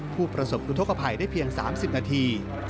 ผู้ประสบอุทธกภัยได้เพียง๓๐นาที